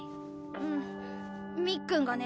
うんみっくんがね